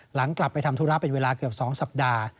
หลังกลับไปทำธุระเป็นเวลาเกือบ๒สัปดาห์